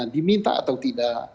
diminta atau tidak